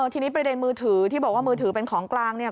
ทีนี้ประเด็นมือถือที่บอกว่ามือถือเป็นของกลางเนี่ย